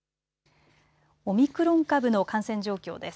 オミクロン株の感染状況です。